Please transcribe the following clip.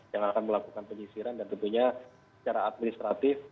yang akan melakukan penyisiran dan tentunya secara administratif